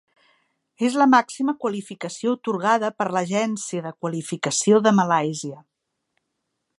És la màxima qualificació atorgada per l'Agència de Qualificació de Malàisia.